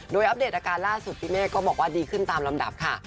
โดยอัปเดตอาการล่าสุดพี่เมฆก็บอกว่าดีขึ้นตามลำดับค่ะ